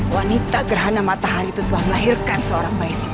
wanita gerhana matahari itu telah melahirkan seorang bayi